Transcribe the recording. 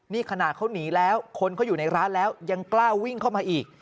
นี่ขนาดเขาหนีแล้วคนเขาอยู่ในร้านแล้วยังกล้าวิ่งเข้ามาอีก